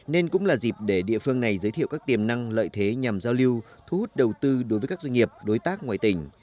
nên cũng là dịp để địa phương này giới thiệu các tiềm năng lợi thế nhằm giao lưu thu hút đầu tư đối với các doanh nghiệp đối tác ngoài tỉnh